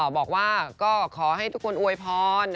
บอกว่าก็ขอให้ทุกคนอวยพร